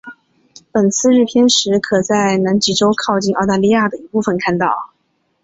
本次日偏食可在南极洲靠近澳大利亚的一部分看到。